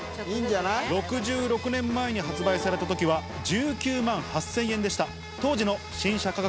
６６年前に発売されたときは、１９万８０００円でした。